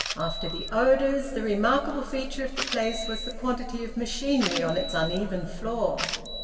After the odours, the remarkable feature of the place was the quantity of machinery on its uneven floor.